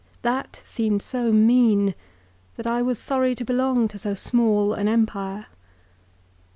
That seemed so mean, that I was sorry to belong to so small an empire.